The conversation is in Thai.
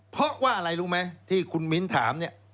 เพราะว่าอะไรรู้ไหมที่คุณมิ้นถามเนี่ย